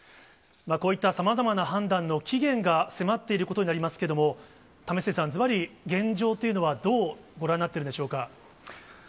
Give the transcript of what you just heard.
こういったさまざまな判断の期限が迫っていることになりますけれども、為末さん、ずばり、現状というのは、どうご覧になっているんでしょうか。